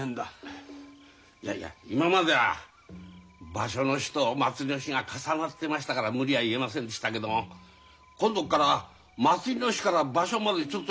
いやいや今までは場所の日と祭りの日が重なってましたから無理は言えませんでしたけども今度から祭りの日から場所までちょっと日にちがあるでしょう。